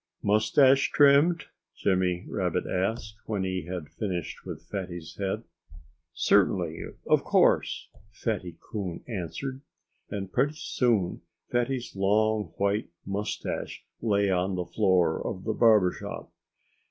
"Moustache trimmed?" Jimmy Rabbit asked, when he had finished with Fatty's head. "Certainly of course!" Fatty Coon answered. And pretty soon Fatty's long white moustache lay on the floor of the barber shop.